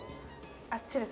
あっちです。